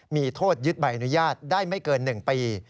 มีโทษยึดใบอนุญาตได้ไม่เกิน๑ปี